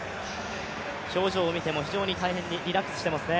表情を見ても、非常にリラックスしていますね。